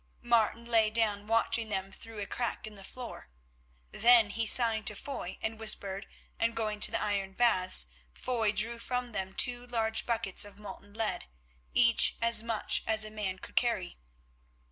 Martin lay down watching them through a crack in the floor. Then he signed to Foy, and whispered, and going to the iron baths, Foy drew from them two large buckets of molten lead, each as much as a man could carry.